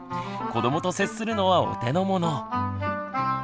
子どもと接するのはお手のもの。